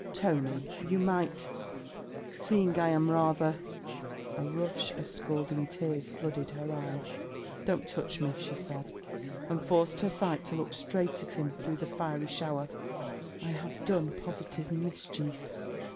Tony, you might, seeing I am rather...' A rush of scalding tears flooded her eyes. 'Don't touch me,' she said, and forced her sight to look straight at him through the fiery shower. 'I have done positive mischief?'